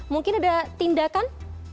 mungkin ada tindakan